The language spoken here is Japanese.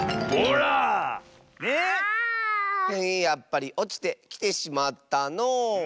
やっぱりおちてきてしまったのう。